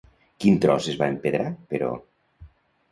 Quin tros es va empedrar, però?